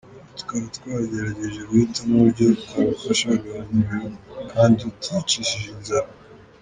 Aha tukaba twagerageje guhitamo uburyo bwagufasha kugabanya ibiro kandi utiyicishije inzara.